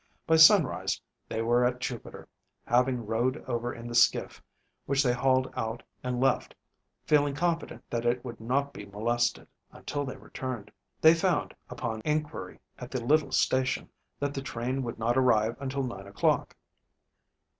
By sunrise they were at Jupiter, having rowed over in the skiff, which they hauled out and left, feeling confident that it would not be molested until they returned. They found, upon inquiry at the little station, that the train would not arrive until nine o'clock.